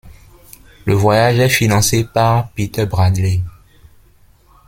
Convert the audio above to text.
Le voyage est financé par Peter Bradley.